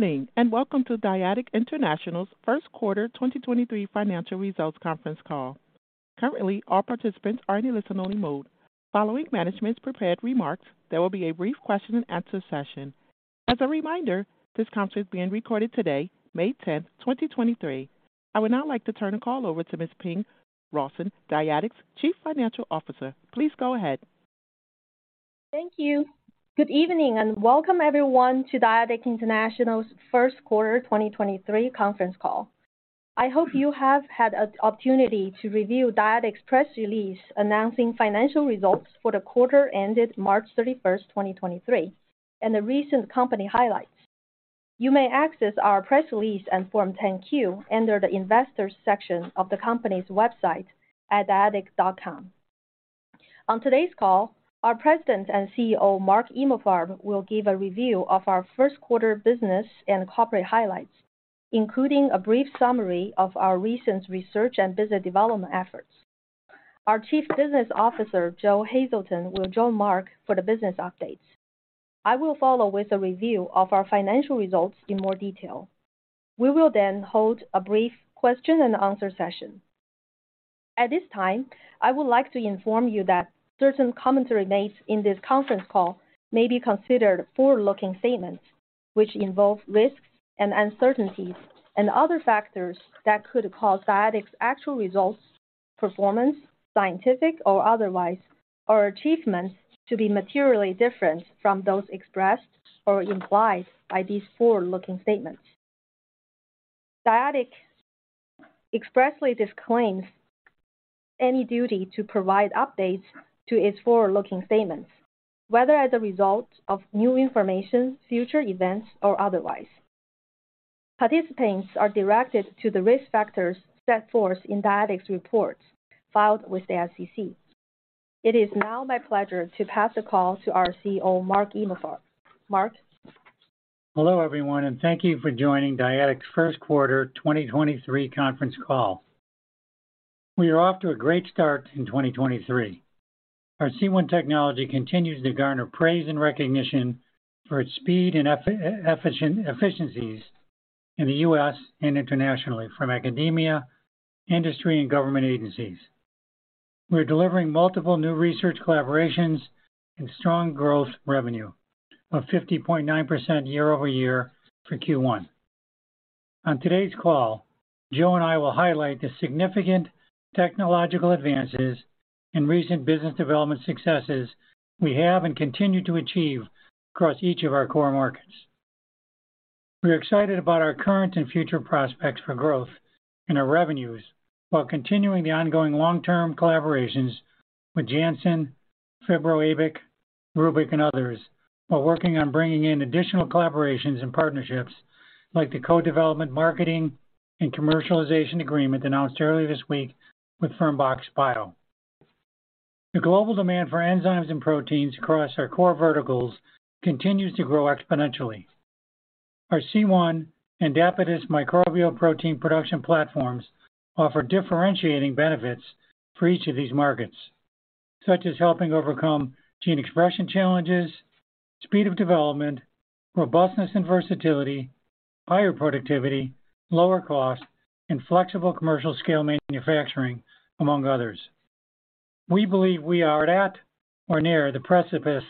Good evening, and welcome to Dyadic International's first quarter 2023 financial results conference call. Currently, all participants are in a listen-only mode. Following management's prepared remarks, there will be a brief question and answer session. As a reminder, this conference is being recorded today, May 10, 2023. I would now like to turn the call over to Ms. Ping Rawson, Dyadic's Chief Financial Officer. Please go ahead. Thank you. Good evening, welcome everyone to Dyadic International's first quarter 2023 conference call. I hope you have had an opportunity to review Dyadic's press release announcing financial results for the quarter ended March 31st, 2023, and the recent company highlights. You may access our press release and Form 10-Q under the investors section of the company's website at dyadic.com. On today's call, our President and CEO, Mark Emalfarb, will give a review of our first quarter business and corporate highlights, including a brief summary of our recent research and business development efforts. Our Chief Business Officer, Joe Hazelton, will join Mark for the business updates. I will follow with a review of our financial results in more detail. We will hold a brief question and answer session. At this time, I would like to inform you that certain commentary made in this conference call may be considered forward-looking statements which involve risks and uncertainties and other factors that could cause Dyadic's actual results, performance, scientific or otherwise, or achievements to be materially different from those expressed or implied by these forward-looking statements. Dyadic expressly disclaims any duty to provide updates to its forward-looking statements, whether as a result of new information, future events, or otherwise. Participants are directed to the risk factors set forth in Dyadic's reports filed with the SEC. It is now my pleasure to pass the call to our CEO, Mark Emalfarb. Mark. Hello, everyone, and thank you for joining Dyadic's first quarter 2023 conference call. We are off to a great start in 2023. Our C1 technology continues to garner praise and recognition for its speed and efficiencies in the U.S. and internationally from academia, industry, and government agencies. We're delivering multiple new research collaborations and strong growth revenue of 50.9% year-over-year for Q1. On today's call, Joe and I will highlight the significant technological advances and recent business development successes we have and continue to achieve across each of our core markets. We're excited about our current and future prospects for growth and our revenues while continuing the ongoing long-term collaborations with Janssen, Phibro/Abic, Rubic, and others, while working on bringing in additional collaborations and partnerships like the co-development, marketing, and commercialization agreement announced earlier this week with Fermbox Bio. The global demand for enzymes and proteins across our core verticals continues to grow exponentially. Our C1 and Dapibus microbial protein production platforms offer differentiating benefits for each of these markets, such as helping overcome gene expression challenges, speed of development, robustness and versatility, higher productivity, lower cost, and flexible commercial scale manufacturing, among others. We believe we are at or near the precipice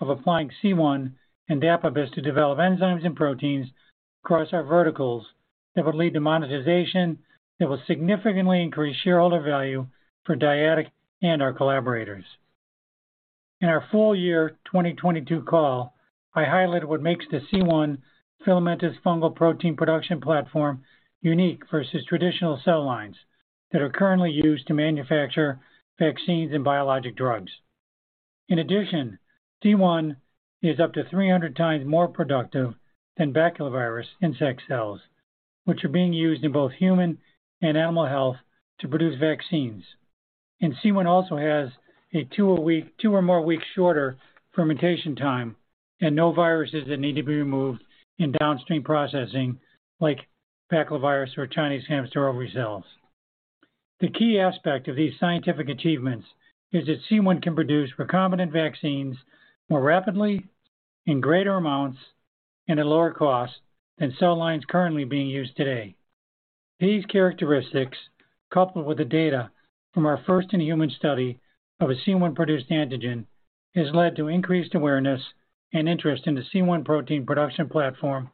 of applying C1 and Dapibus to develop enzymes and proteins across our verticals that will lead to monetization that will significantly increase shareholder value for Dyadic and our collaborators. In our full year 2022 call, I highlighted what makes the C1 filamentous fungal protein production platform unique versus traditional cell lines that are currently used to manufacture vaccines and biologic drugs. C1 is up to 300 times more productive than baculovirus insect cells, which are being used in both human and animal health to produce vaccines. C1 also has a two or more weeks shorter fermentation time and no viruses that need to be removed in downstream processing like baculovirus or Chinese hamster ovary cells. The key aspect of these scientific achievements is that C1 can produce recombinant vaccines more rapidly in greater amounts and at lower cost than cell lines currently being used today. These characteristics, coupled with the data from our first-in-human study of a C1 produced antigen, has led to increased awareness and interest in the C1 protein production platform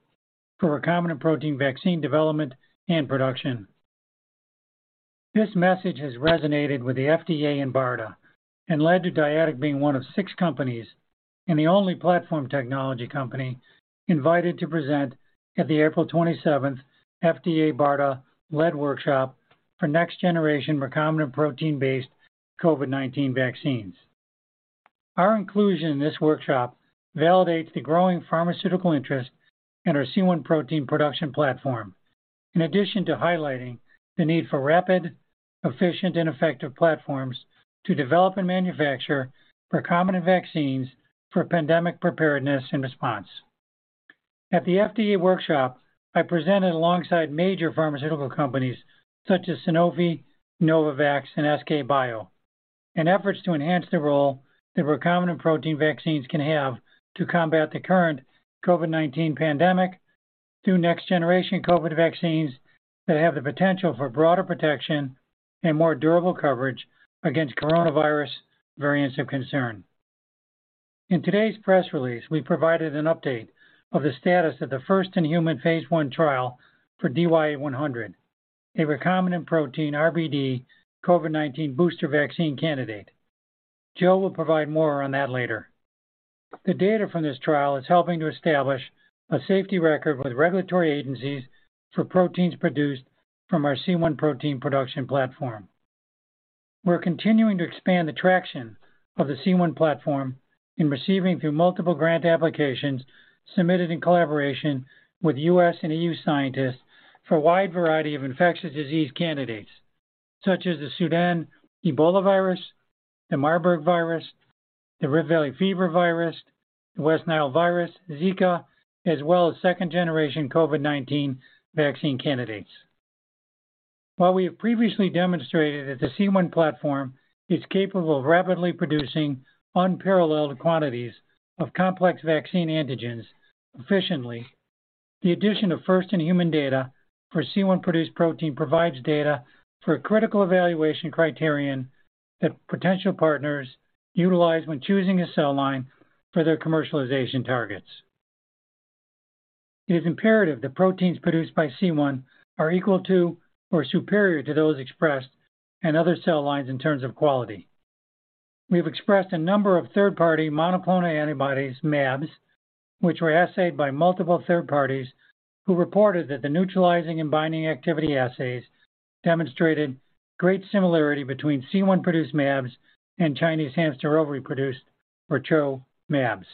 for recombinant protein vaccine development and production. This message has resonated with the FDA and BARDA and led to Dyadic being one of six companies and the only platform technology company invited to present at the April 27th FDA BARDA lead workshop for next generation recombinant protein-based COVID-19 vaccines. Our inclusion in this workshop validates the growing pharmaceutical interest in our C1 protein production platform in addition to highlighting the need for rapid, efficient and effective platforms to develop and manufacture recombinant vaccines for pandemic preparedness and response. At the FDA workshop, I presented alongside major pharmaceutical companies such as Sanofi, Novavax, and SK bioscience in efforts to enhance the role that recombinant protein vaccines can have to combat the current COVID-19 pandemic through next-generation COVID vaccines that have the potential for broader protection and more durable coverage against coronavirus variants of concern. In today's press release, we provided an update of the status of the first-in-human phase I trial for DY-100, a recombinant protein RBD COVID-19 booster vaccine candidate. Joe will provide more on that later. The data from this trial is helping to establish a safety record with regulatory agencies for proteins produced from our C1 protein production platform. We're continuing to expand the traction of the C1 platform in receiving through multiple grant applications submitted in collaboration with U.S. and EU scientists for a wide variety of infectious disease candidates, such as the Sudan Ebola virus, the Marburg virus, the Rift Valley fever virus, the West Nile virus, Zika, as well as second-generation COVID-19 vaccine candidates. While we have previously demonstrated that the C1 platform is capable of rapidly producing unparalleled quantities of complex vaccine antigens efficiently, the addition of first-in-human data for C1-produced protein provides data for a critical evaluation criterion that potential partners utilize when choosing a cell line for their commercialization targets. It is imperative that proteins produced by C1 are equal to or superior to those expressed in other cell lines in terms of quality. We have expressed a number of third-party monoclonal antibodies, mAbs, which were assayed by multiple third parties who reported that the neutralizing and binding activity assays demonstrated great similarity between C1-produced mAbs and Chinese hamster ovary-produced, or CHO, mAbs.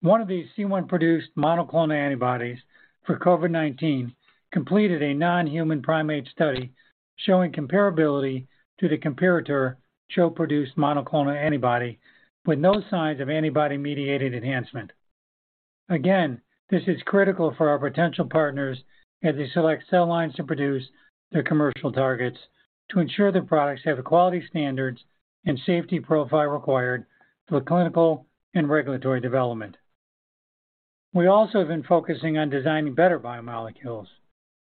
One of these C1-produced monoclonal antibodies for COVID-19 completed a nonhuman primate study showing comparability to the comparator CHO-produced monoclonal antibody with no signs of antibody-dependent enhancement. Again, this is critical for our potential partners as they select cell lines to produce their commercial targets to ensure their products have the quality standards and safety profile required for clinical and regulatory development. We also have been focusing on designing better biomolecules.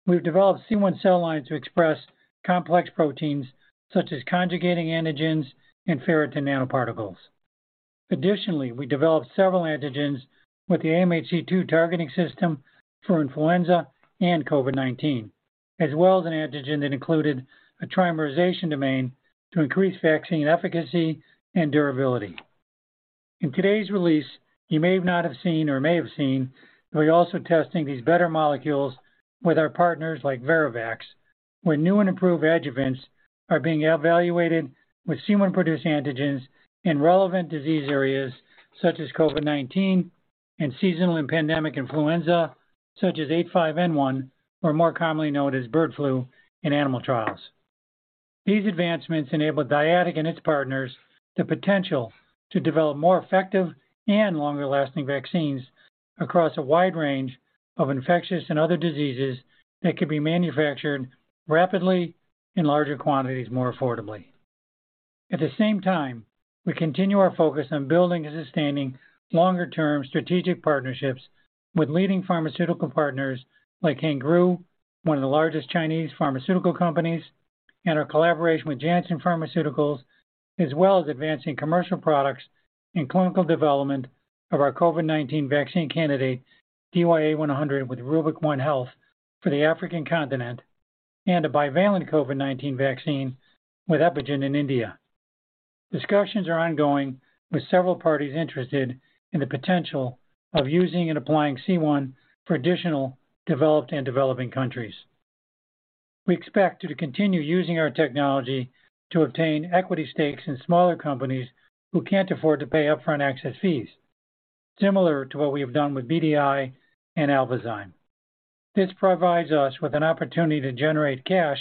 We've developed C1 cell lines to express complex proteins such as conjugating antigens and ferritin nanoparticles. Additionally, we developed several antigens with the AMHC2 targeting system for influenza and COVID-19, as well as an antigen that included a trimerization domain to increase vaccine efficacy and durability. In today's release, you may not have seen or may have seen, we're also testing these better molecules with our partners like ViroVax, where new and improved adjuvants are being evaluated with C1-produced antigens in relevant disease areas such as COVID-19 and seasonal and pandemic influenza, such as H5N1, or more commonly known as bird flu, in animal trials. These advancements enable Dyadic and its partners the potential to develop more effective and longer-lasting vaccines across a wide range of infectious and other diseases that can be manufactured rapidly in larger quantities more affordably. At the same time, we continue our focus on building and sustaining longer-term strategic partnerships with leading pharmaceutical partners like Hengrui, one of the largest Chinese pharmaceutical companies, and our collaboration with Janssen Pharmaceuticals, as well as advancing commercial products and clinical development of our COVID-19 vaccine candidate, DYAI-100, with Rubic One Health for the African continent, and a bivalent COVID-19 vaccine with Epygen in India. Discussions are ongoing with several parties interested in the potential of using and applying C1 for additional developed and developing countries. We expect to continue using our technology to obtain equity stakes in smaller companies who can't afford to pay upfront access fees, similar to what we have done with BDi and ALBAzyme. This provides us with an opportunity to generate cash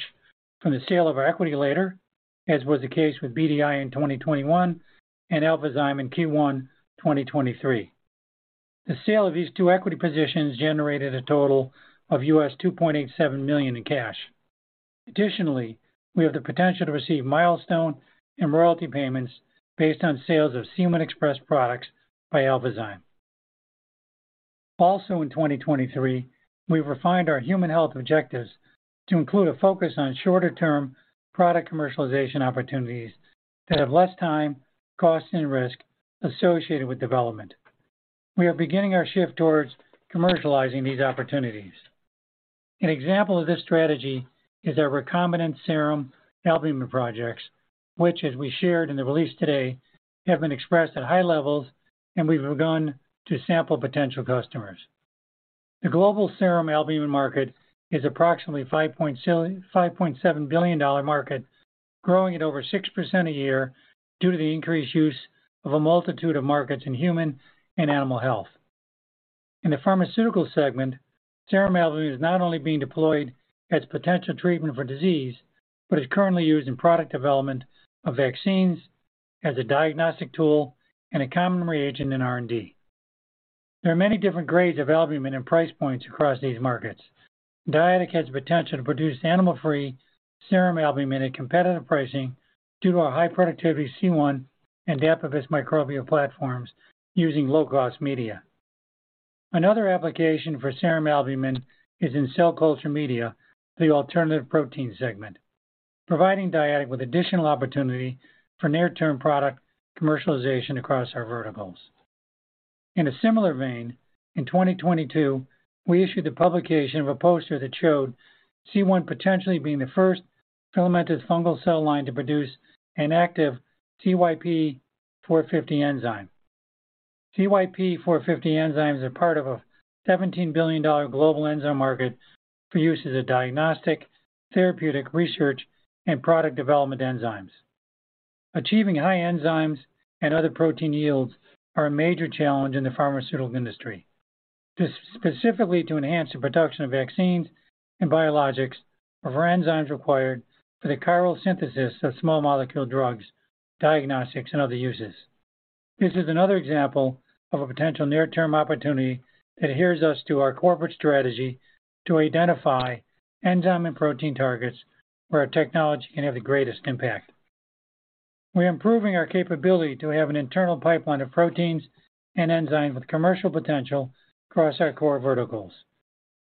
from the sale of our equity later, as was the case with BDi in 2021 and ALBAzyme in Q1 2023. The sale of these two equity positions generated a total of $2.87 million in cash. Additionally, we have the potential to receive milestone and royalty payments based on sales of C1-expressed products by ALBAzyme. Also in 2023, we refined our human health objectives to include a focus on shorter-term product commercialization opportunities that have less time, cost, and risk associated with development. We are beginning our shift towards commercializing these opportunities. An example of this strategy is our recombinant serum albumin projects, which, as we shared in the release today, have been expressed at high levels, and we've begun to sample potential customers. The global serum albumin market is approximately a $5.7 billion dollar market, growing at over 6% a year due to the increased use of a multitude of markets in human and animal health. In the pharmaceutical segment, serum albumin is not only being deployed as potential treatment for disease, but is currently used in product development of vaccines as a diagnostic tool and a common reagent in R&D. There are many different grades of albumin and price points across these markets. Dyadic has the potential to produce animal-free serum albumin at competitive pricing due to our high productivity C1 and Dapibus microbial platforms using low-cost media. Another application for serum albumin is in cell culture media, the alternative protein segment, providing Dyadic with additional opportunity for near-term product commercialization across our verticals. In a similar vein, in 2022, we issued the publication of a poster that showed C1 potentially being the first filamentous fungal cell line to produce an active CYP450 enzyme. CYP450 enzymes are part of a $17 billion global enzyme market for use as a diagnostic, therapeutic, research, and product development enzymes. Achieving high enzymes and other protein yields are a major challenge in the pharmaceutical industry, specifically to enhance the production of vaccines and biologics or for enzymes required for the chiral synthesis of small molecule drugs, diagnostics, and other uses. This is another example of a potential near-term opportunity that adheres us to our corporate strategy to identify enzyme and protein targets where our technology can have the greatest impact. We're improving our capability to have an internal pipeline of proteins and enzymes with commercial potential across our core verticals,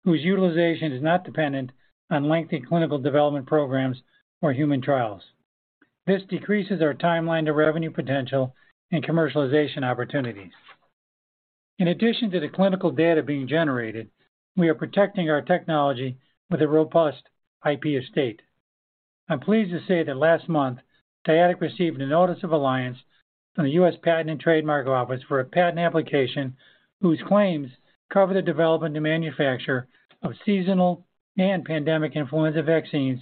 whose utilization is not dependent on lengthy clinical development programs or human trials. This decreases our timeline to revenue potential and commercialization opportunities. In addition to the clinical data being generated, we are protecting our technology with a robust IP estate. I'm pleased to say that last month, Dyadic received a notice of allowance from the U.S. Patent and Trademark Office for a patent application whose claims cover the development and manufacture of seasonal and pandemic influenza vaccines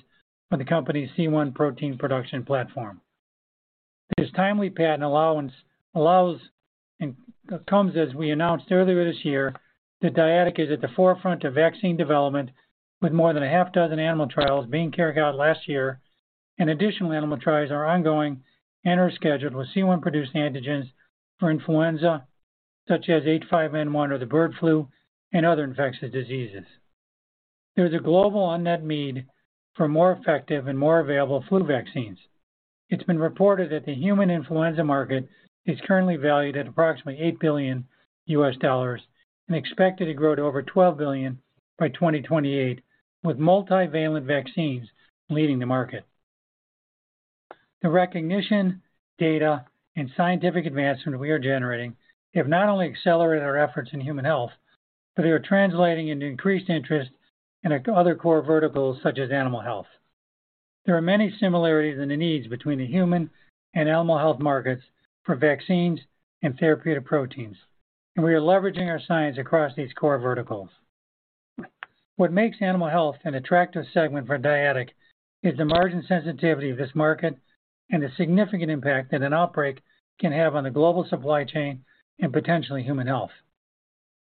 for the company's C1 protein production platform. This timely patent allowance allows and comes as we announced earlier this year that Dyadic is at the forefront of vaccine development with more than a half dozen animal trials being carried out last year, and additional animal trials are ongoing and are scheduled with C1-produced antigens for influenza, such as H5N1 or the bird flu, and other infectious diseases. There is a global unmet need for more effective and more available flu vaccines. It's been reported that the human influenza market is currently valued at approximately $8 billion and expected to grow to over $12 billion by 2028, with multivalent vaccines leading the market. The recognition, data, and scientific advancements we are generating have not only accelerated our efforts in human health, but they are translating into increased interest in other core verticals such as animal health. There are many similarities in the needs between the human and animal health markets for vaccines and therapeutic proteins, and we are leveraging our science across these core verticals. What makes animal health an attractive segment for Dyadic is the margin sensitivity of this market and the significant impact that an outbreak can have on the global supply chain and potentially human health.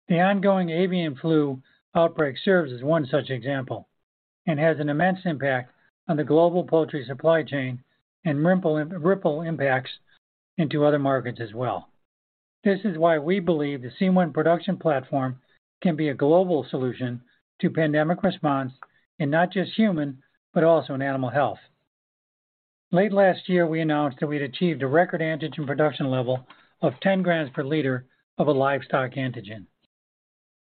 The ongoing avian flu outbreak serves as one such example and has an immense impact on the global poultry supply chain and ripple impacts into other markets as well. This is why we believe the C1 production platform can be a global solution to pandemic response in not just human, but also in animal health. Late last year, we announced that we'd achieved a record antigen production level of 10 grams per liter of a livestock antigen.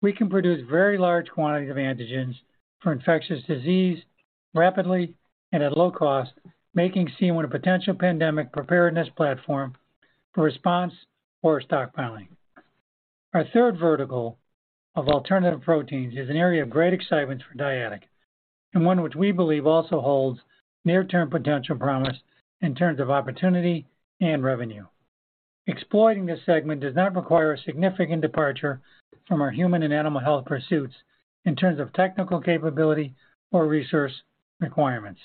We can produce very large quantities of antigens for infectious disease rapidly and at low cost, making C1 a potential pandemic preparedness platform for response or stockpiling. Our third vertical of alternative proteins is an area of great excitement for Dyadic, and one which we believe also holds near-term potential promise in terms of opportunity and revenue. Exploiting this segment does not require a significant departure from our human and animal health pursuits in terms of technical capability or resource requirements.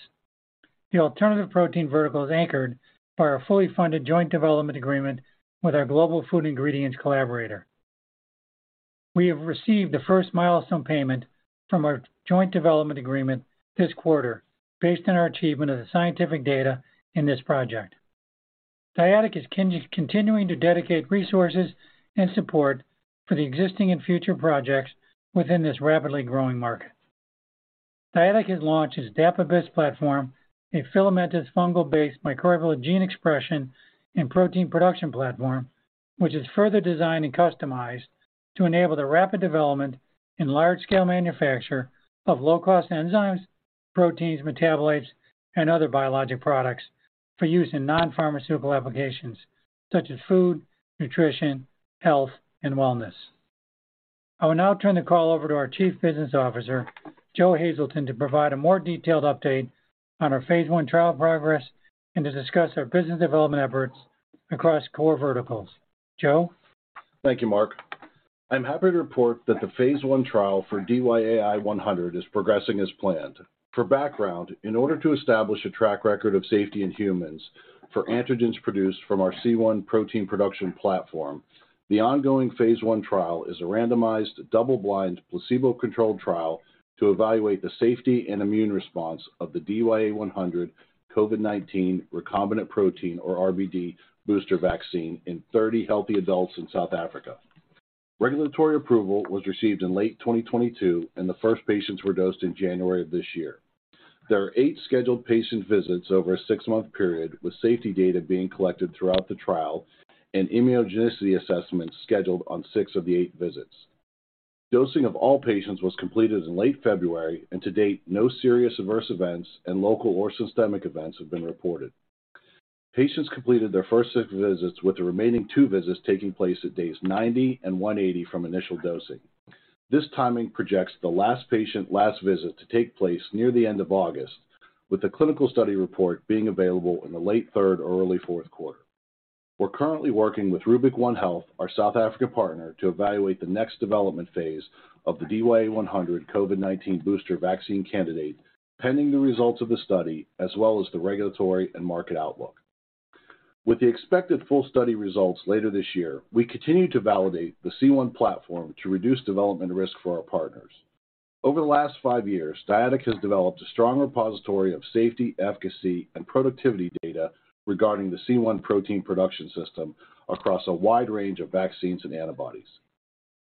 The alternative protein vertical is anchored by our fully funded joint development agreement with our global food ingredients collaborator. We have received the first milestone payment from our joint development agreement this quarter based on our achievement of the scientific data in this project. Dyadic is continuing to dedicate resources and support for the existing and future projects within this rapidly growing market. Dyadic has launched its Dapibus platform, a filamentous fungal-based microbial gene expression and protein production platform, which is further designed and customized to enable the rapid development and large-scale manufacture of low-cost enzymes, proteins, metabolites, and other biologic products for use in non-pharmaceutical applications such as food, nutrition, health, and wellness. I will now turn the call over to our Chief Business Officer, Joe Hazelton, to provide a more detailed update on our phase I trial progress and to discuss our business development efforts across core verticals. Joe? Thank you, Mark. I'm happy to report that the phase I trial for DYAI-100 is progressing as planned. For background, in order to establish a track record of safety in humans for antigens produced from our C1 protein production platform, the ongoing phase I trial is a randomized, double-blind, placebo-controlled trial to evaluate the safety and immune response of the DYAI-100 COVID-19 recombinant protein or RBD booster vaccine in 30 healthy adults in South Africa. Regulatory approval was received in late 2022, and the first patients were dosed in January of this year. There are eight scheduled patient visits over a six month period, with safety data being collected throughout the trial and immunogenicity assessments scheduled on six of the eight visits. Dosing of all patients was completed in late February, and to date, no serious adverse events and local or systemic events have been reported. Patients completed their first set of visits, with the remaining two visits taking place at days 90 and 180 from initial dosing. This timing projects the last patient last visit to take place near the end of August, with the clinical study report being available in the late third or early fourth quarter. We're currently working with Rubic One Health, our South Africa partner, to evaluate the next development phase of the DYAI-100 COVID-19 booster vaccine candidate, pending the results of the study as well as the regulatory and market outlook. With the expected full study results later this year, we continue to validate the C1 platform to reduce development risk for our partners. Over the last five years, Dyadic has developed a strong repository of safety, efficacy and productivity data regarding the C1 protein production system across a wide range of vaccines and antibodies.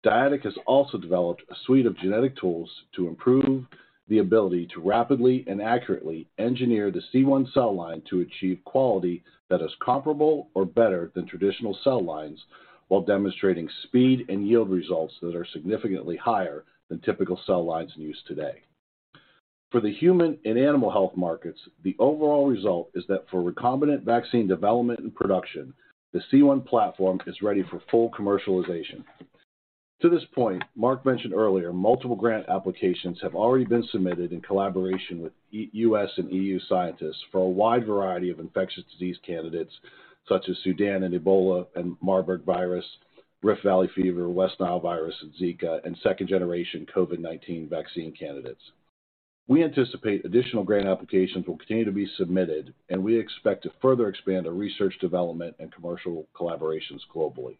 Dyadic has also developed a suite of genetic tools to improve the ability to rapidly and accurately engineer the C1 cell line to achieve quality that is comparable or better than traditional cell lines while demonstrating speed and yield results that are significantly higher than typical cell lines in use today. For the human and animal health markets, the overall result is that for recombinant vaccine development and production, the C1 platform is ready for full commercialization. To this point, Mark mentioned earlier, multiple grant applications have already been submitted in collaboration with U.S. and EU scientists for a wide variety of infectious disease candidates such as Sudan and Ebola and Marburg virus, Rift Valley fever, West Nile virus and Zika, and second-generation COVID-19 vaccine candidates. We anticipate additional grant applications will continue to be submitted, and we expect to further expand our research development and commercial collaborations globally.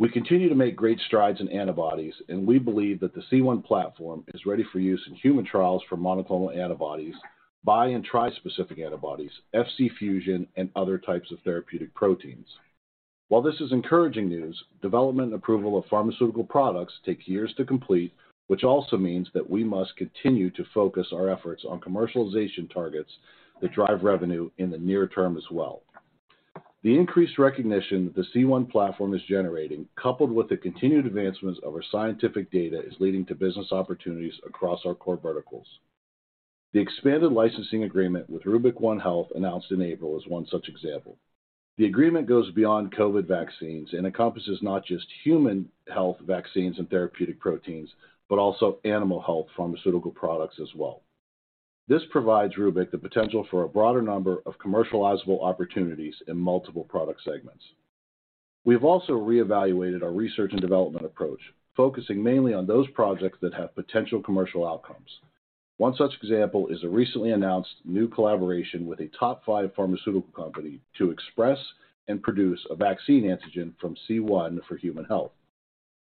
We continue to make great strides in antibodies, and we believe that the C1 platform is ready for use in human trials for monoclonal antibodies, bi- and tri-specific antibodies, FC fusion and other types of therapeutic proteins. While this is encouraging news, development and approval of pharmaceutical products take years to complete, which also means that we must continue to focus our efforts on commercialization targets that drive revenue in the near term as well. The increased recognition that the C1 platform is generating, coupled with the continued advancements of our scientific data, is leading to business opportunities across our core verticals. The expanded licensing agreement with Rubic One Health announced in April is one such example. The agreement goes beyond COVID vaccines and encompasses not just human health vaccines and therapeutic proteins, but also animal health pharmaceutical products as well. This provides Rubic the potential for a broader number of commercializable opportunities in multiple product segments. We have also reevaluated our research and development approach, focusing mainly on those projects that have potential commercial outcomes. One such example is a recently announced new collaboration with a top five pharmaceutical company to express and produce a vaccine antigen from C1 for human health.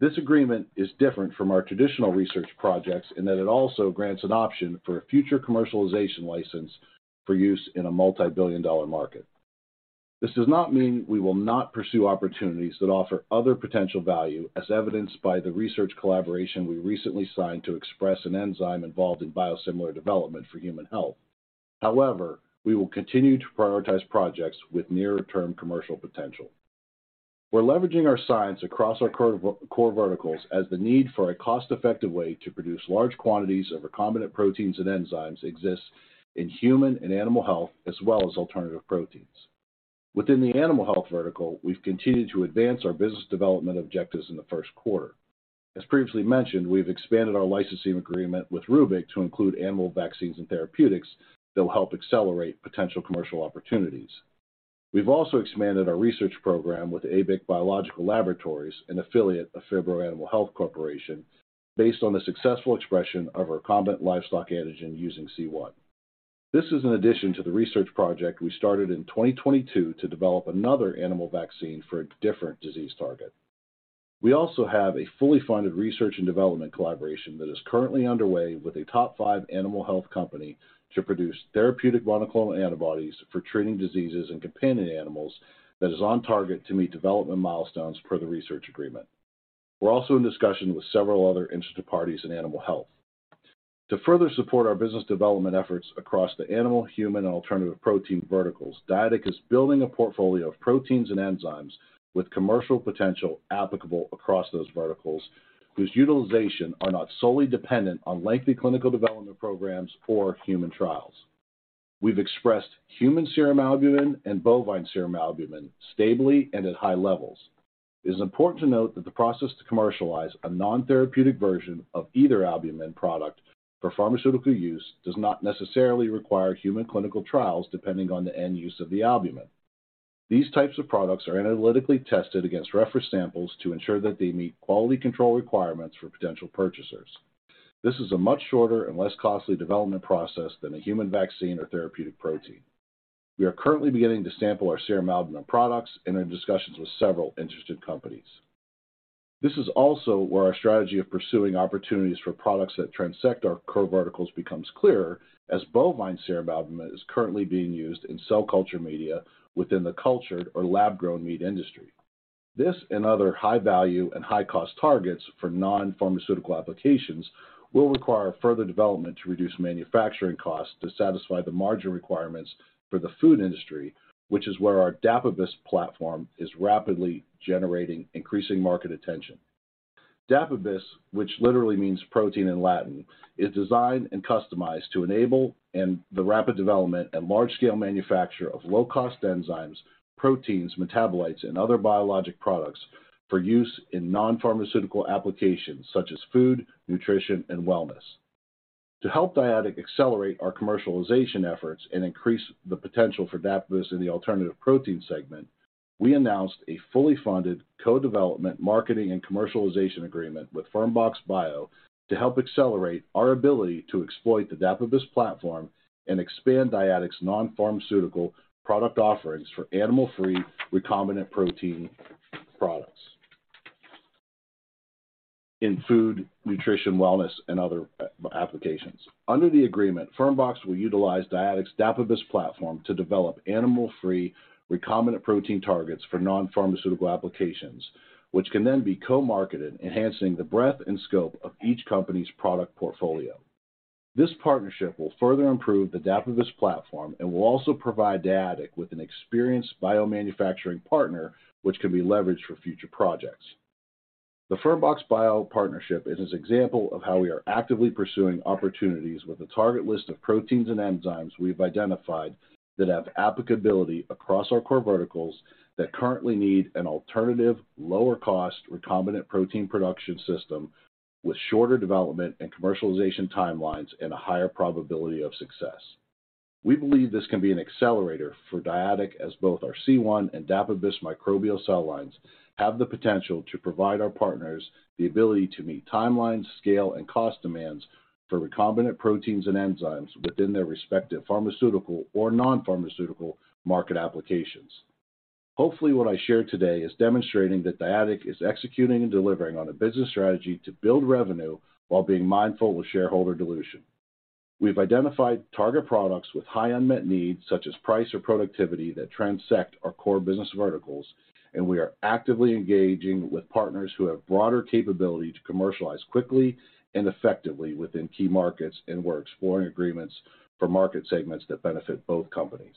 This agreement is different from our traditional research projects in that it also grants an option for a future commercialization license for use in a multibillion-dollar market. This does not mean we will not pursue opportunities that offer other potential value, as evidenced by the research collaboration we recently signed to express an enzyme involved in biosimilar development for human health. However, we will continue to prioritize projects with near-term commercial potential. We're leveraging our science across our core verticals as the need for a cost-effective way to produce large quantities of recombinant proteins and enzymes exists in human and animal health, as well as alternative proteins. Within the animal health vertical, we've continued to advance our business development objectives in the first quarter. As previously mentioned, we've expanded our licensing agreement with Rubic to include animal vaccines and therapeutics that will help accelerate potential commercial opportunities. We've also expanded our research program with ABIC Biological Laboratories, an affiliate of Phibro Animal Health Corporation, based on the successful expression of a recombinant livestock antigen using C1. This is in addition to the research project we started in 2022 to develop another animal vaccine for a different disease target. We also have a fully funded research and development collaboration that is currently underway with a top five animal health company to produce therapeutic monoclonal antibodies for treating diseases in companion animals that is on target to meet development milestones per the research agreement. We're also in discussion with several other interested parties in animal health. To further support our business development efforts across the animal, human and alternative protein verticals, Dyadic is building a portfolio of proteins and enzymes with commercial potential applicable across those verticals, whose utilization are not solely dependent on lengthy clinical development programs or human trials. We've expressed human serum albumin and bovine serum albumin stably and at high levels. It is important to note that the process to commercialize a non-therapeutic version of either albumin product for pharmaceutical use does not necessarily require human clinical trials, depending on the end use of the albumin. These types of products are analytically tested against reference samples to ensure that they meet quality control requirements for potential purchasers. This is a much shorter and less costly development process than a human vaccine or therapeutic protein. We are currently beginning to sample our serum albumin products and are in discussions with several interested companies. This is also where our strategy of pursuing opportunities for products that transect our core verticals becomes clearer, as bovine serum albumin is currently being used in cell culture media within the cultured or lab-grown meat industry. This and other high value and high cost targets for non-pharmaceutical applications will require further development to reduce manufacturing costs to satisfy the margin requirements for the food industry, which is where our Dapibus platform is rapidly generating increasing market attention. Dapibus, which literally means protein in Latin, is designed and customized to enable the rapid development and large-scale manufacture of low-cost enzymes, proteins, metabolites and other biologic products for use in non-pharmaceutical applications such as food, nutrition, and wellness. To help Dyadic accelerate our commercialization efforts and increase the potential for Dapibus in the alternative protein segment, we announced a fully funded co-development marketing and commercialization agreement with Fermbox Bio to help accelerate our ability to exploit the Dapibus platform and expand Dyadic's non-pharmaceutical product offerings for animal-free recombinant protein products in food, nutrition, wellness and other applications. Under the agreement, Fermbox will utilize Dyadic's Dapibus platform to develop animal-free recombinant protein targets for non-pharmaceutical applications, which can then be co-marketed, enhancing the breadth and scope of each company's product portfolio. This partnership will further improve the Dapibus platform and will also provide Dyadic with an experienced biomanufacturing partner, which can be leveraged for future projects. The Fermbox Bio partnership is an example of how we are actively pursuing opportunities with a target list of proteins and enzymes we've identified that have applicability across our core verticals that currently need an alternative lower cost recombinant protein production system with shorter development and commercialization timelines and a higher probability of success. We believe this can be an accelerator for Dyadic as both our C1 and Dapibus microbial cell lines have the potential to provide our partners the ability to meet timelines, scale, and cost demands for recombinant proteins and enzymes within their respective pharmaceutical or non-pharmaceutical market applications. Hopefully, what I shared today is demonstrating that Dyadic is executing and delivering on a business strategy to build revenue while being mindful of shareholder dilution. We've identified target products with high unmet needs, such as price or productivity that transect our core business verticals, and we are actively engaging with partners who have broader capability to commercialize quickly and effectively within key markets, and we're exploring agreements for market segments that benefit both companies.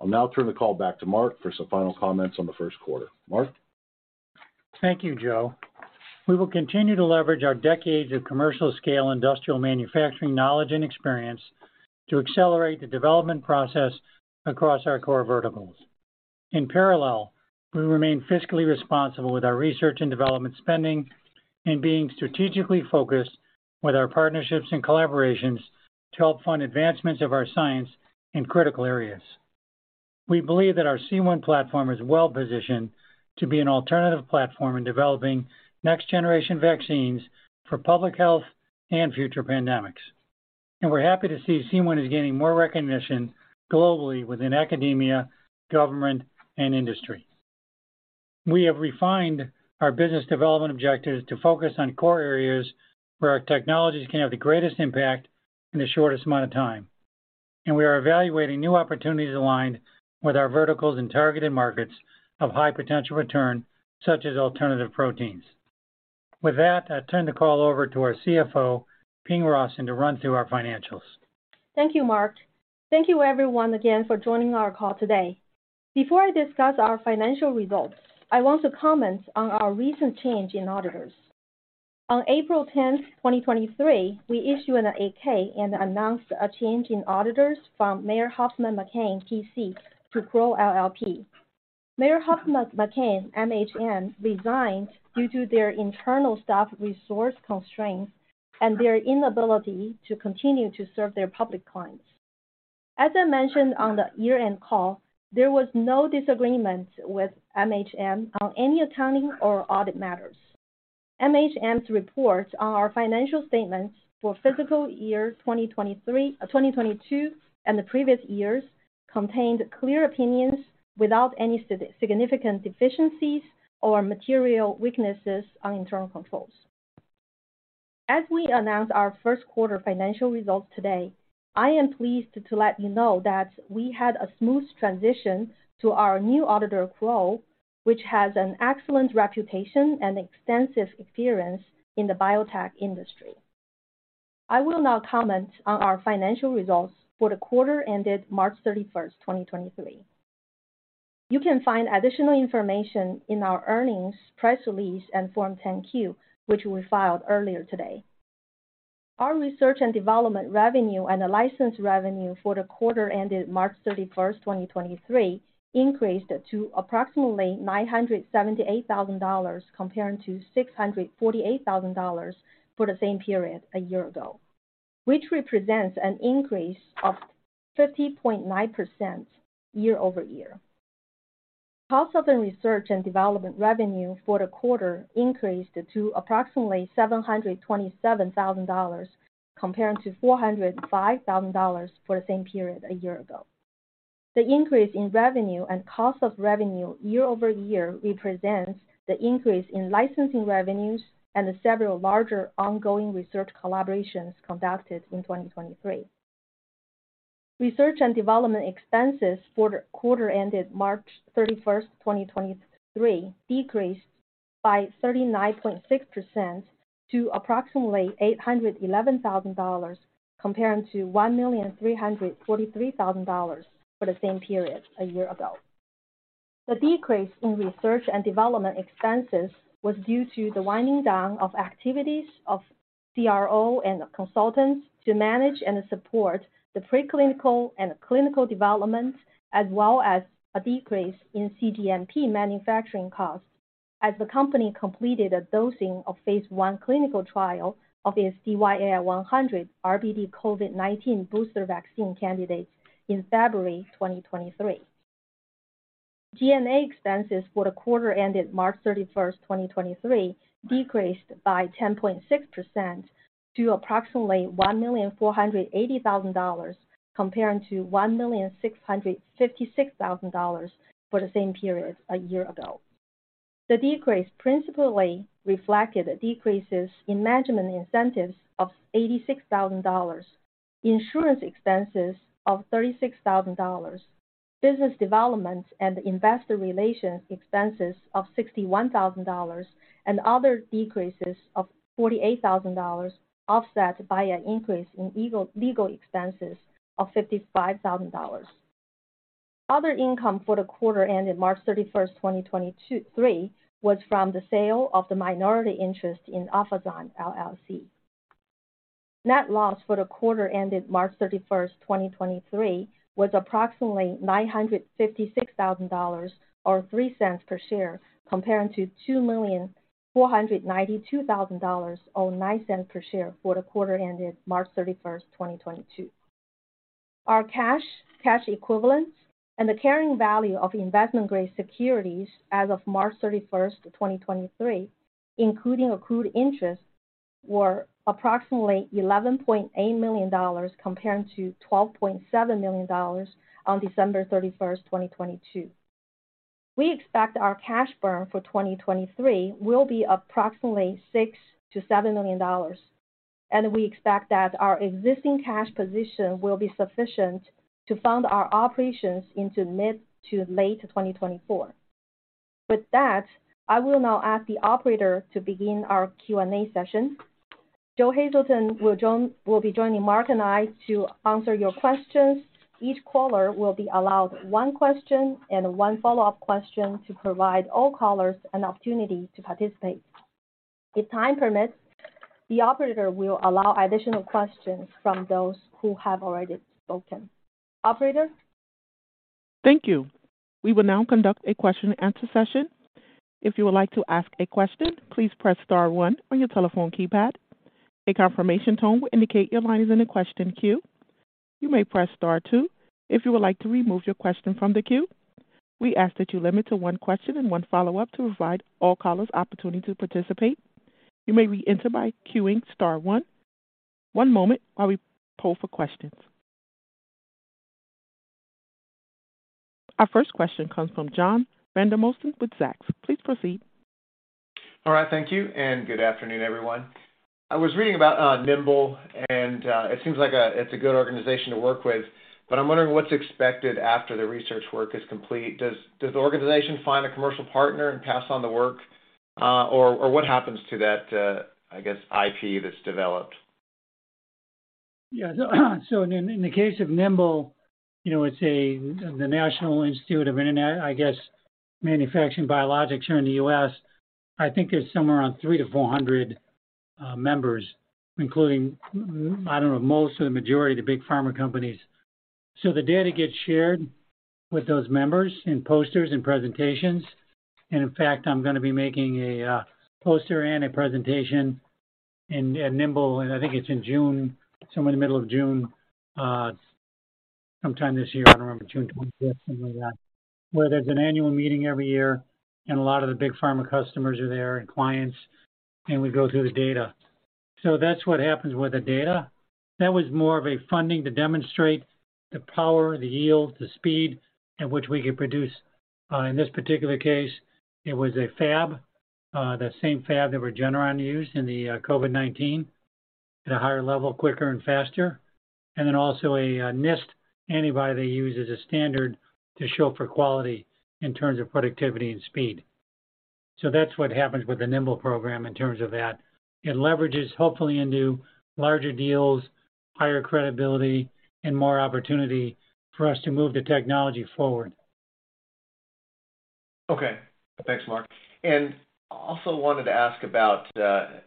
I'll now turn the call back to Mark for some final comments on the first quarter. Mark? Thank you, Joe. We will continue to leverage our decades of commercial scale industrial manufacturing knowledge and experience to accelerate the development process across our core verticals. In parallel, we remain fiscally responsible with our research and development spending and being strategically focused with our partnerships and collaborations to help fund advancements of our science in critical areas. We believe that our C1 platform is well-positioned to be an alternative platform in developing next-generation vaccines for public health and future pandemics. We're happy to see C1 is gaining more recognition globally within academia, government, and industry. We have refined our business development objectives to focus on core areas where our technologies can have the greatest impact in the shortest amount of time. We are evaluating new opportunities aligned with our verticals and targeted markets of high potential return, such as alternative proteins. With that, I turn the call over to our CFO, Ping Rawson, to run through our financials. Thank you, Mark. Thank you everyone again for joining our call today. Before I discuss our financial results, I want to comment on our recent change in auditors. On April 10, 2023, we issued an 8-K and announced a change in auditors from Mayer Hoffman McCann P.C. to Crowe LLP. Mayer Hoffman McCann, MHM, resigned due to their internal staff resource constraints and their inability to continue to serve their public clients. As I mentioned on the year-end call, there was no disagreement with MHM on any accounting or audit matters. MHM's report on our financial statements for fiscal year 2022 and the previous years contained clear opinions without any significant deficiencies or material weaknesses on internal controls. As we announce our first quarter financial results today, I am pleased to let you know that we had a smooth transition to our new auditor, Crowe, which has an excellent reputation and extensive experience in the biotech industry. I will now comment on our financial results for the quarter ended March 31, 2023. You can find additional information in our earnings press release and Form 10-Q, which we filed earlier today. Our research and development revenue and the license revenue for the quarter ended March 31, 2023, increased to approximately $978,000 compared to $648,000 for the same period a year ago, which represents an increase of 50.9% year-over-year. Cost of the research and development revenue for the quarter increased to approximately $727,000 compared to $405,000 for the same period a year ago. The increase in revenue and cost of revenue year-over-year represents the increase in licensing revenues and several larger ongoing research collaborations conducted in 2023. Research and development expenses for the quarter ended March 31st, 2023 decreased by 39.6% to approximately $811,000, comparing to $1,343,000 for the same period a year ago. The decrease in research and development expenses was due to the winding down of activities of CRO and consultants to manage and support the preclinical and clinical development, as well as a decrease in CGMP manufacturing costs as the company completed a dosing of phase I clinical trial of its DYAI-100 RBD COVID-19 booster vaccine candidate in February 2023. GMA expenses for the quarter ended March 31st, 2023 decreased by 10.6% to approximately $1,480,000, comparing to $1,656,000 for the same period a year ago. The decrease principally reflected decreases in management incentives of $86,000, insurance expenses of $36,000, business development and investor relations expenses of $61,000, and other decreases of $48,000, offset by an increase in legal expenses of $55,000. Other income for the quarter ended March 31st, 2023, was from the sale of the minority interest in Afrezza, LLC. Net loss for the quarter ended March 31st, 2023, was approximately $956,000 or $0.03 per share, comparing to $2,492,000 or $0.09 per share for the quarter ended March 31st, 2022. Our cash equivalents, and the carrying value of investment-grade securities as of March 31st, 2023, including accrued interest, were approximately $11.8 million comparing to $12.7 million on December 31st, 2022. We expect our cash burn for 2023 will be approximately $6 million-$7 million, we expect that our existing cash position will be sufficient to fund our operations into mid to late 2024. With that, I will now ask the operator to begin our Q&A session. Joe Hazelton will be joining Mark and I to answer your questions. Each caller will be allowed one question and one follow-up question to provide all callers an opportunity to participate. If time permits, the operator will allow additional questions from those who have already spoken. Operator? Thank you. We will now conduct a question and answer session. If you would like to ask a question, please press star one on your telephone keypad. A confirmation tone will indicate your line is in the question queue. You may press star two if you would like to remove your question from the queue. We ask that you limit to one question and one follow-up to provide all callers opportunity to participate. You may re-enter by queuing star one. One moment while we pull for questions. Our first question comes from John Vandermosten with Zacks. Please proceed. All right, thank you, and good afternoon, everyone. I was reading about NIIMBL, and it seems like it's a good organization to work with, but I'm wondering what's expected after the research work is complete. Does the organization find a commercial partner and pass on the work, or what happens to that, I guess, IP that's developed? In the case of NIIMBL, you know, the National Institute of Manufacturing Biologics here in the U.S. I think there's somewhere around 300-400 members, including, I don't know, most of the majority of the big pharma companies. The data gets shared with those members in posters and presentations. In fact, I'm going to be making a poster and a presentation at NIIMBL, and I think it's in June, somewhere in the middle of June, sometime this year, I don't remember, June 25th, something like that, where there's an annual meeting every year and a lot of the big pharma customers are there and clients, and we go through the data. That's what happens with the data. That was more of a funding to demonstrate the power, the yield, the speed at which we could produce. In this particular case, it was a Fab, the same Fab that Regeneron used in the COVID-19 at a higher level, quicker and faster. Also a NIST antibody they use as a standard to show for quality in terms of productivity and speed. That's what happens with the NIIMBL program in terms of that. It leverages, hopefully into larger deals, higher credibility, and more opportunity for us to move the technology forward. Okay. Thanks, Mark. Also wanted to ask about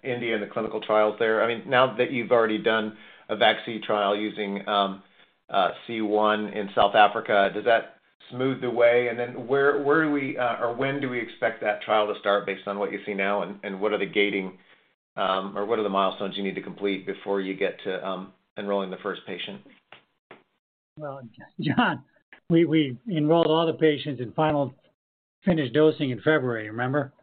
India and the clinical trials there. I mean, now that you've already done a vaccine trial using C1 in South Africa, does that smooth the way? Then where do we, or when do we expect that trial to start based on what you see now, and what are the gating, or what are the milestones you need to complete before you get to enrolling the first patient? Well, John, we enrolled all the patients and final finished dosing in February, remember?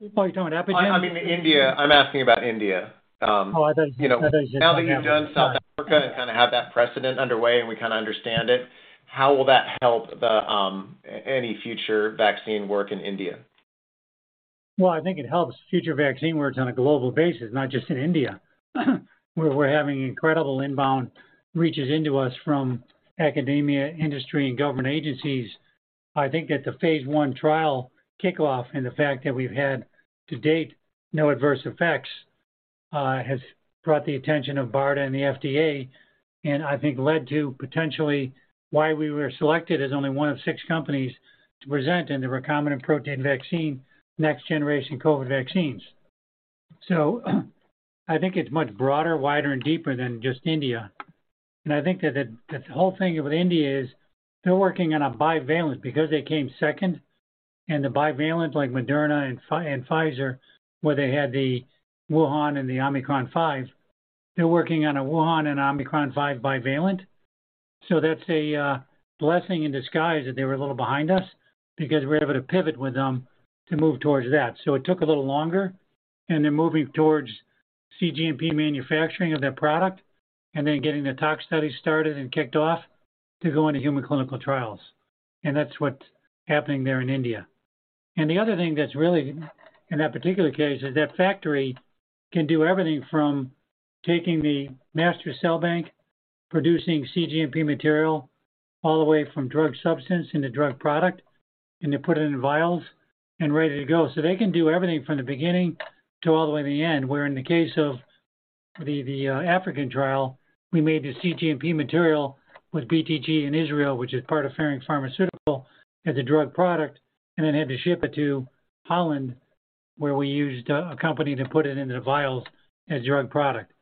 Epygen. Oh, you talking about Epygen? I mean India. I'm asking about India. Oh, I thought you said... Now that you've done South Africa and kind of have that precedent underway and we kind of understand it, how will that help the any future vaccine work in India? I think it helps future vaccine work on a global basis, not just in India. We're having incredible inbound reaches into us from academia, industry, and government agencies. I think that the phase I trial kickoff and the fact that we've had to date no adverse effects has brought the attention of BARDA and the FDA, and I think led to potentially why we were selected as only one of six companies to present in the recombinant protein vaccine next-generation COVID vaccines. I think it's much broader, wider, and deeper than just India. I think that the whole thing with India is they're working on a bivalent because they came second, and the bivalent like Moderna and Pfizer, where they had the Wuhan and the Omicron five, they're working on a Wuhan and Omicron five bivalent. That's a blessing in disguise that they were a little behind us because we're able to pivot with them to move towards that. It took a little longer, and they're moving towards cGMP manufacturing of that product and then getting the tox study started and kicked off to go into human clinical trials. That's what's happening there in India. The other thing that's really in that particular case is that factory can do everything from taking the master cell bank, producing cGMP material, all the way from drug substance into drug product, and they put it in vials and ready to go. They can do everything from the beginning to all the way to the end, where in the case of the African trial, we made the CGMP material with BTG in Israel, which is part of Ferring Pharmaceuticals, as a drug product and then had to ship it to Holland, where we used a company to put it into the vials as drug product.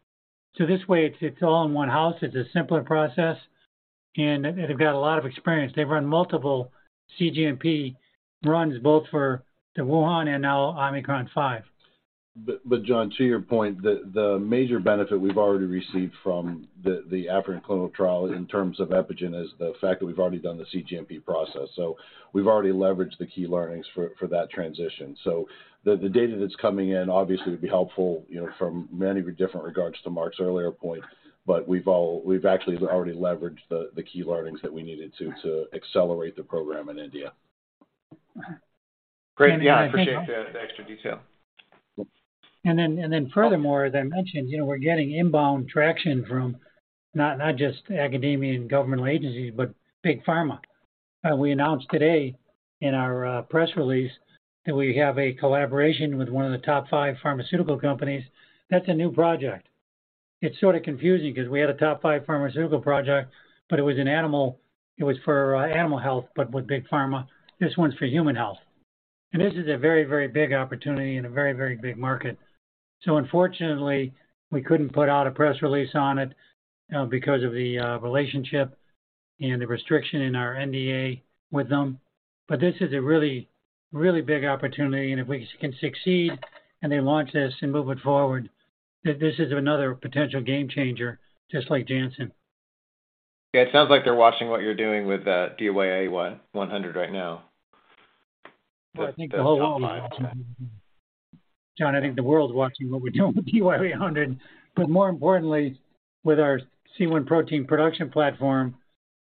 This way it's all in one house, it's a simpler process, and they've got a lot of experience. They've run multiple CGMP runs both for the Wuhan and now Omicron five. John, to your point, the major benefit we've already received from the African clinical trial in terms of Epygen is the fact that we've already done the CGMP process. We've already leveraged the key learnings for that transition. The data that's coming in obviously would be helpful, you know, from many different regards to Mark's earlier point, but we've actually already leveraged the key learnings that we needed to accelerate the program in India. Uh. Great. Yeah. I appreciate the extra detail. Furthermore, as I mentioned, you know, we're getting inbound traction from not just academia and governmental agencies, but big pharma. We announced today in our press release that we have a collaboration with one of the top five pharmaceutical companies. That's a new project. It's sort of confusing because we had a top five pharmaceutical project, but it was for animal health, but with big pharma. This one's for human health. This is a very, very big opportunity in a very, very big market. Unfortunately, we couldn't put out a press release on it because of the relationship and the restriction in our NDA with them. This is a really, really big opportunity, and if we can succeed and they launch this and move it forward, this is another potential game changer, just like Janssen. It sounds like they're watching what you're doing with DYA 100 right now. I think the whole world, John. John, I think the world's watching what we're doing with DYA 100. More importantly, with our C1 protein production platform,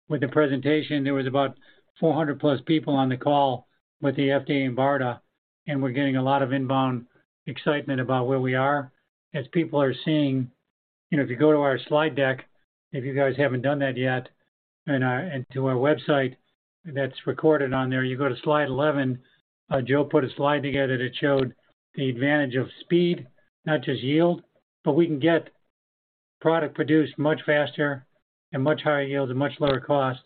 with the presentation, there was about 400+ people on the call with the FDA and BARDA. We're getting a lot of inbound excitement about where we are. As people are seeing, you know, if you go to our slide deck, if you guys haven't done that yet, to our website that's recorded on there, you go to slide 11. Joe put a slide together that showed the advantage of speed, not just yield, but we can get product produced much faster and much higher yield at much lower cost.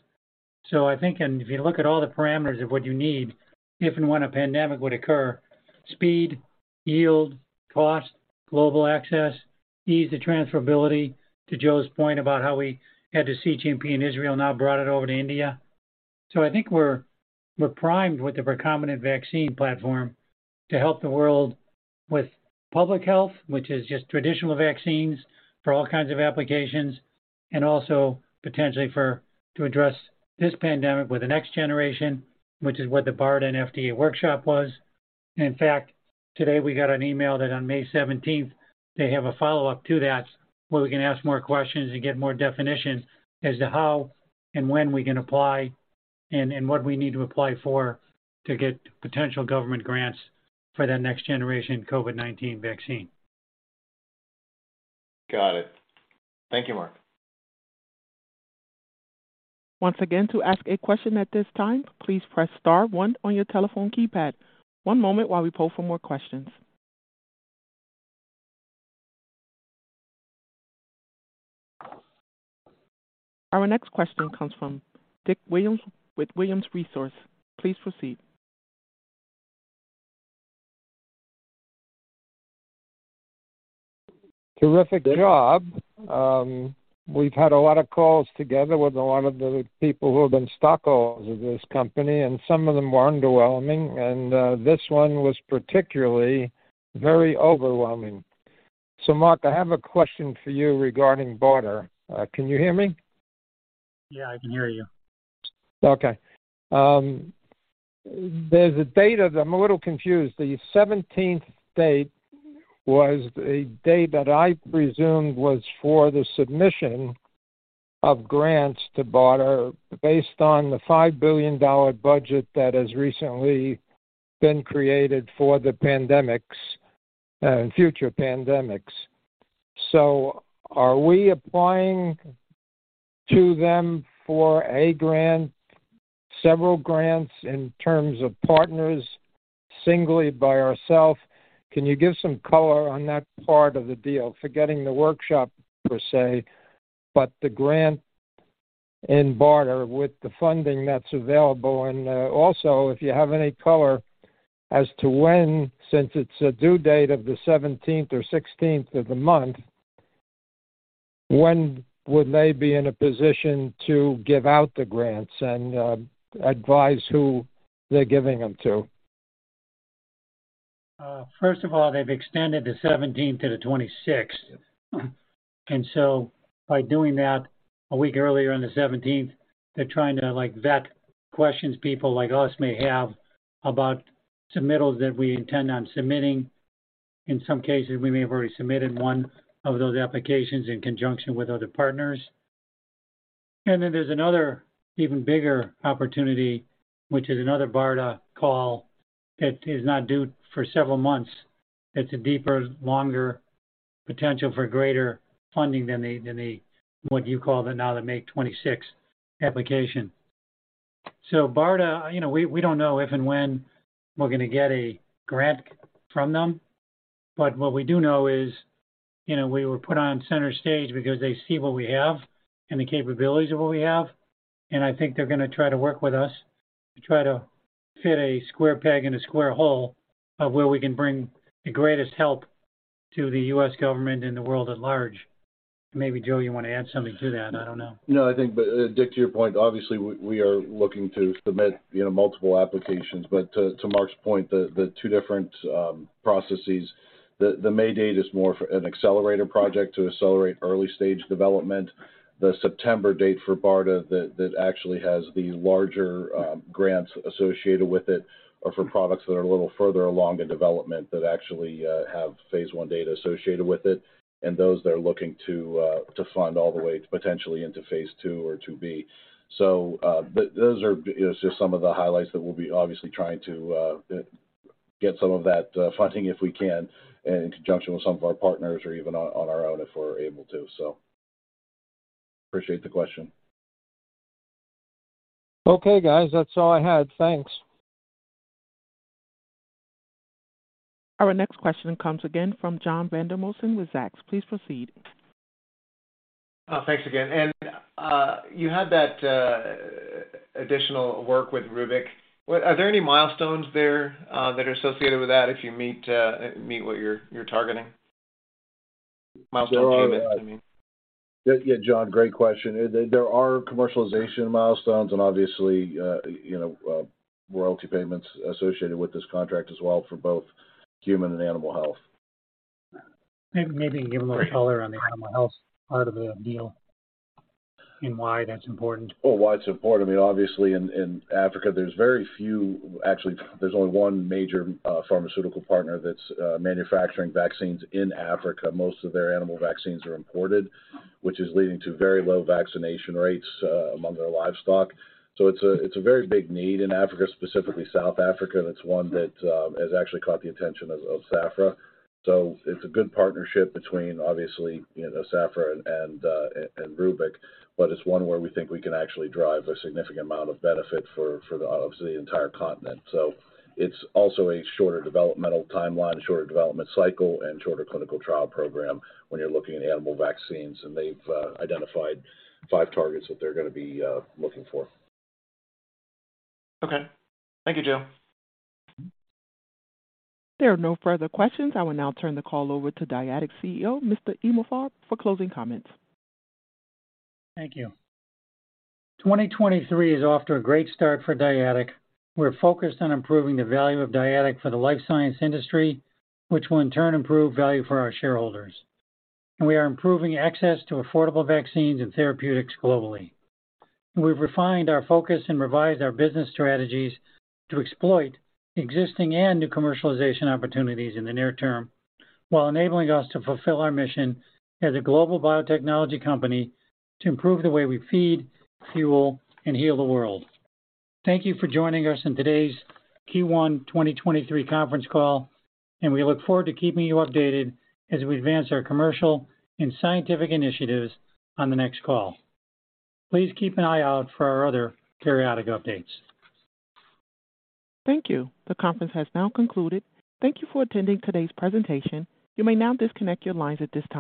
I think and if you look at all the parameters of what you need, if and when a pandemic would occur, speed, yield, cost, global access, ease of transferability, to Joe's point about how we had the CGMP in Israel, now brought it over to India. I think we're primed with the recombinant vaccine platform to help the world with public health, which is just traditional vaccines for all kinds of applications, and also potentially for to address this pandemic with the next generation, which is what the BARDA and FDA workshop was. In fact, today we got an email that on May 17th, they have a follow-up to that where we can ask more questions and get more definition as to how and when we can apply and what we need to apply for to get potential government grants for that next generation COVID-19 vaccine. Got it. Thank you, Mark. Once again, to ask a question at this time, please press star one on your telephone keypad. One moment while we poll for more questions. Our next question comes from Dick Williams with Williams Resource. Please proceed. Terrific job. We've had a lot of calls together with a lot of the people who have been stockholders of this company. Some of them were underwhelming. This one was particularly very overwhelming. Mark, I have a question for you regarding BARDA. Can you hear me? Yeah, I can hear you. Okay. There's a date of... I'm a little confused. The 17th date was a date that I presumed was for the submission of grants to BARDA based on the $5 billion budget that has recently been created for the pandemics, future pandemics. Are we applying to them for a grant, several grants in terms of partners, singly by ourself? Can you give some color on that part of the deal? Forgetting the workshop per se, but the grant in BARDA with the funding that's available. Also, if you have any color as to when, since it's a due date of the 17th or 16th of the month, when would they be in a position to give out the grants and advise who they're giving them to? First of all, they've extended the 17th to the 26th. By doing that a week earlier on the 17th, they're trying to, like, vet questions people like us may have about submittals that we intend on submitting. In some cases, we may have already submitted one of those applications in conjunction with other partners. There's another even bigger opportunity, which is another BARDA call that is not due for several months. It's a deeper, longer potential for greater funding than the what you called it now, the May 26th application. BARDA, you know, we don't know if and when we're gonna get a grant from them, but what we do know is, you know, we were put on center stage because they see what we have and the capabilities of what we have, and I think they're gonna try to work with us to try to fit a square peg in a square hole of where we can bring the greatest help to the U.S. government and the world at large. Maybe, Joe, you wanna add something to that. I don't know. I think, but Dick, to your point, obviously we are looking to submit, you know, multiple applications. To Mark's point, the two different processes. The May date is more for an accelerator project to accelerate early-stage development. The September date for BARDA that actually has the larger grants associated with it are for products that are a little further along in development that actually have phase I data associated with it, and those that are looking to fund all the way potentially into phase II or IIb. Those are just some of the highlights that we'll be obviously trying to get some of that funding if we can and in conjunction with some of our partners or even on our own if we're able to so. Appreciate the question. Okay, guys. That's all I had. Thanks. Our next question comes again from John Vandermosten with Zacks. Please proceed. Thanks again. You had that additional work with Rubic. Are there any milestones there that are associated with that if you meet what you're targeting? Milestone payments, I mean. Yeah. Yeah. John, great question. There are commercialization milestones and obviously, you know, royalty payments associated with this contract as well, for both human and animal health. Maybe you can give a little color on the animal health part of the deal and why that's important? Well, why it's important, I mean, obviously in Africa, there's only one major pharmaceutical partner that's manufacturing vaccines in Africa. Most of their animal vaccines are imported, which is leading to very low vaccination rates among their livestock. It's a very big need in Africa, specifically South Africa, that's one that has actually caught the attention of SAHPRA. It's a good partnership between obviously, you know, SAHPRA and Rubic, but it's one where we think we can actually drive a significant amount of benefit for the, obviously the entire continent. It's also a shorter developmental timeline, shorter development cycle, and shorter clinical trial program when you're looking at animal vaccines. They've identified five targets that they're gonna be looking for. Okay. Thank you, Joe. There are no further questions. I will now turn the call over to Dyadic's CEO, Mr. Emalfarb, for closing comments. Thank you. 2023 is off to a great start for Dyadic. We're focused on improving the value of Dyadic for the life science industry, which will in turn improve value for our shareholders. We are improving access to affordable vaccines and therapeutics globally. We've refined our focus and revised our business strategies to exploit existing and new commercialization opportunities in the near term, while enabling us to fulfill our mission as a global biotechnology company to improve the way we feed, fuel, and heal the world. Thank you for joining us on today's Q1 2023 conference call, and we look forward to keeping you updated as we advance our commercial and scientific initiatives on the next call. Please keep an eye out for our other periodic updates. Thank you. The conference has now concluded. Thank you for attending today's presentation. You may now disconnect your lines at this time.